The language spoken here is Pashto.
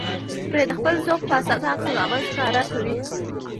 پرې د خپل ذوق په اساس عکس العمل ښکاره کوي.